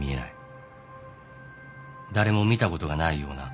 誰も見たことがないような。